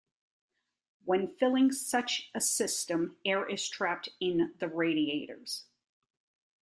When filling such a system, air is trapped in the radiators.